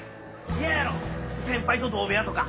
嫌やろ先輩と同部屋とか。